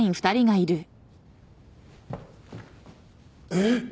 えっ！？